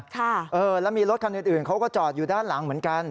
ค่ะเออแล้วมีรถคันอื่นเขาก็จอดอยู่ด้านหลังเหมือนกัน